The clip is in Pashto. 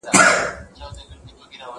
د درد د كړاوونو زنده ګۍ كي يو غمى دئ